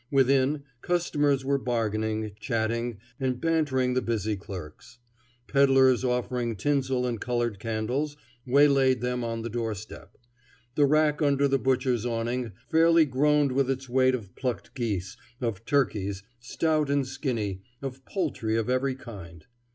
Within, customers were bargaining, chatting, and bantering the busy clerks. Peddlers offering tinsel and colored candles waylaid them on the door step. The rack under the butcher's awning fairly groaned with its weight of plucked geese, of turkeys, stout and skinny, of poultry of every kind.